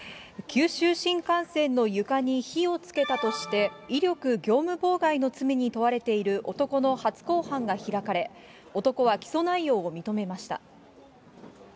九州新幹線の床に火をつけたとして、威力業務妨害の罪に問われている男の初公判が開かれ、男は起訴内容を認めました。